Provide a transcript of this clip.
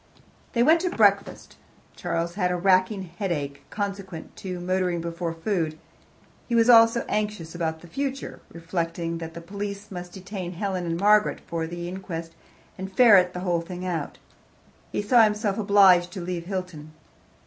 They went into breakfast. Charles had a racking headache, consequent on motoring before food. He was also anxious about the future, reflecting that the police must detain Helen and Margaret for the inquest and ferret the whole thing out. He saw himself obliged to leave Hilton.